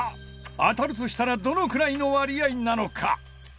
当たるとしたらどのくらいの割合なのか？